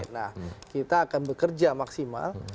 nah kita akan bekerja maksimal